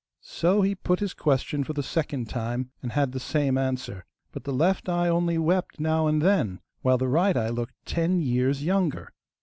So he put his question for the second time, and had the same answer; but the left eye only wept now and then, while the right eye looked ten years younger.